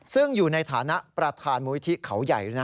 ซึ่งอยู่ในฐานะประธานมูลิธิเขาใหญ่